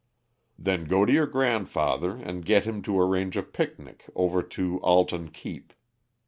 "Then go to your grandfather and get him to arrange a picnic over to Alton Keep.